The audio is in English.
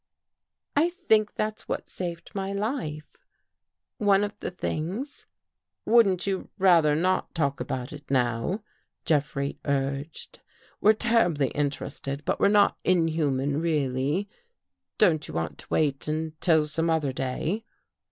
" I think that's what saved my life — one of the things." " Wouldn't you rather not talk about it now," Jeffrey urged. " We're terribly interested, but we're not inhuman really. Don't you want to wait until some other day?